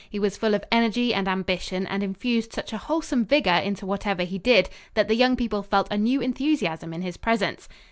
He was full of energy and ambition and infused such a wholesome vigor into whatever he did that the young people felt a new enthusiasm in his presence.